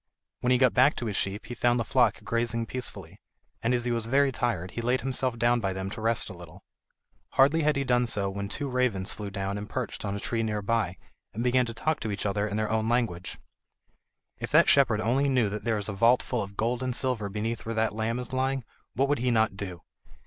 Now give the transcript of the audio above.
When he got back to his sheep he found the flock grazing peacefully, and as he was very tired he laid himself down by them to rest a little. Hardly had he done so when two ravens flew down and perched on a tree near by, and began to talk to each other in their own language: "If that shepherd only knew that there is a vault full of gold and silver beneath where that lamb is lying, what would he not do?"